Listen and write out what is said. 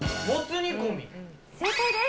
正解です。